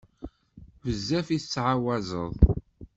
Bezzaf i tettɛawazeḍ.